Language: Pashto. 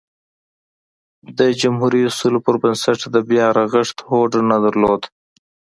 د جمهوري اصولو پربنسټ د بیا رغښت هوډ نه درلود.